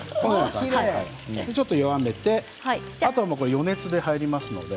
ちょっと弱めてあとは余熱で入りますから。